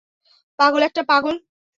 পাগল একটা পাগল।